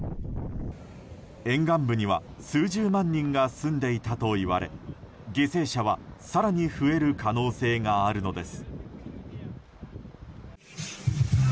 沿岸部には数十万人が住んでいたといわれ犠牲者は更に増える可能性があるのです。